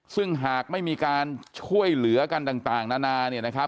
ซึ่งหากไม่มีการช่วยเหลือกันต่างนานาเนี่ยนะครับ